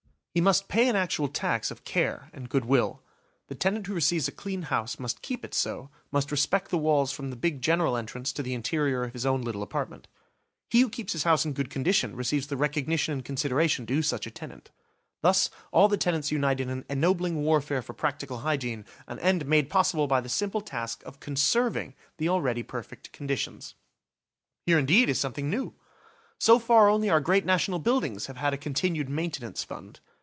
He must pay an actual tax of care and good will. The tenant who receives a clean house must keep it so, must respect the walls from the big general entrance to the interior of his own little apartment. He who keeps his house in good condition receives the recognition and consideration due such a tenant. Thus all the tenants unite in an ennobling warfare for practical hygiene, an end made possible by the simple task of conserving the already perfect conditions. Here indeed is something new! So far only our great national buildings have had a continued maintenance fund.